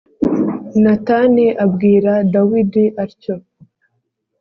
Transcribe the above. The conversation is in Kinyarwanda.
Natani abwira Dawidi atyo